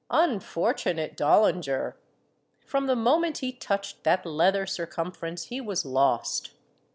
Unfortunate Dollinger ! From the moment he touched that leather cir cumference he was lost.